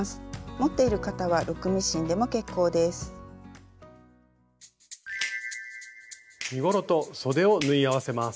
持っている方はロックミシンでも結構です。